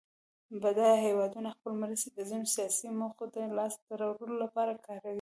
بډایه هېوادونه خپلې مرستې د ځینو سیاسي موخو د لاس ته راوړلو لپاره کاروي.